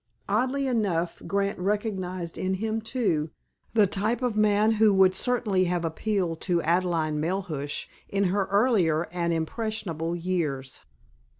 Oddly enough, Grant recognized in him, too, the type of man who would certainly have appealed to Adelaide Melhuish in her earlier and impressionable years.